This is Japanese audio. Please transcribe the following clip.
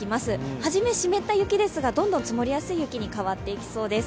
はじめ、湿った雪ですが、どんどん積もりやすい雪に変わっていきそうです。